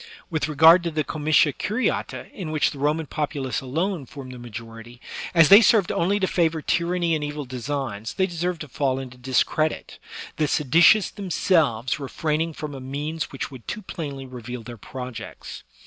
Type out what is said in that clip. With regard to the com itia curiata^ in which the Roman populace alone formed the majority, as they served only to favor tyranny and evil designs, they deserved to fall into discredit, the se ditious themselves refraining from a means which would too plainly reveal their projects.